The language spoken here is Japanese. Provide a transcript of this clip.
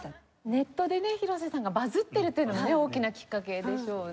ネットでね広瀬さんがバズってるというのもね大きなきっかけでしょうね。